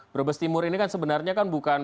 brebes timur ini kan sebenarnya kan bukan